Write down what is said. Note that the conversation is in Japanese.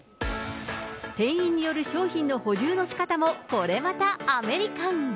店員による商品の補充のしかたも、これまたアメリカン。